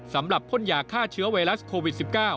สำหรับพ่นยาฆ่าเชื้อไวรัสโควิด๑๙